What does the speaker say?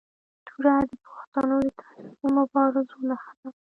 توره د پښتنو د تاریخي مبارزو نښه ده.